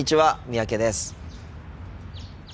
三宅です。